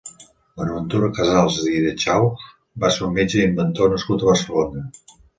Bonaventura Casals i d’Echauz va ser un metge i inventor nascut a Barcelona.